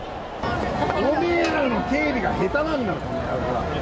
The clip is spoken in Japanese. おめえらの警備が下手なんだよ、この野郎。